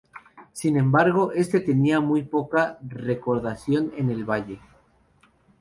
Sin embargo, este tenía muy poca recordación en el Valle.